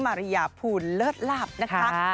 มารียาภูนิเลิศลาบนะครับโอเคครับ